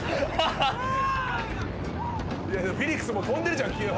「フィリックスもう飛んでるじゃん気が。